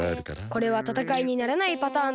これはたたかいにならないパターンとみた。